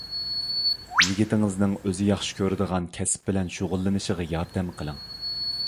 يىگىتىڭىزنىڭ ئۆزى ياخشى كۆرىدىغان كەسىپ بىلەن شۇغۇللىنىشىغا ياردەم قىلىڭ.